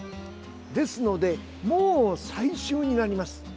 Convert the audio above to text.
ですので、もう最終になります。